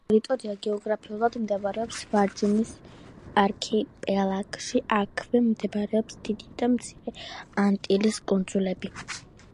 ეს ტერიტორია გეოგრაფიულად მდებარეობს ვირჯინის არქიპელაგში, აქვე მდებარეობს დიდი და მცირე ანტილის კუნძულები.